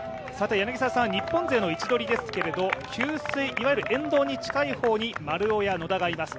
日本勢の位置取りですけれども、給水いわゆる沿道に近い方に丸尾や野田がいます。